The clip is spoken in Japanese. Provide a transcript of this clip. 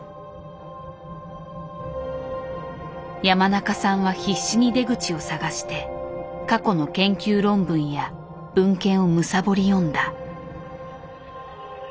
山中さんは必死に出口を探して過去の研究論文や文献を貪り読んだ。